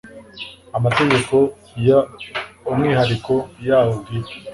amategeko y umwihariko yawo bwite